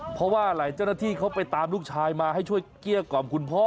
เพราะว่าหลายเจ้าหน้าที่เขาไปตามลูกชายมาให้ช่วยเกลี้ยกล่อมคุณพ่อ